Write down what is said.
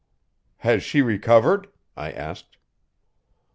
"Has she recovered?" I asked.